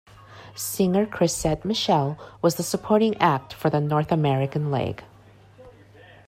Singer Chrisette Michele was the supporting act for the North American leg.